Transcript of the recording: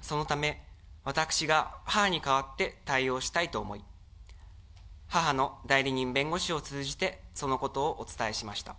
そのため、私が母に代わって対応したいと思い、母の代理人弁護士を通じて、そのことをお伝えしました。